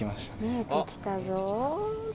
見えてきたぞ。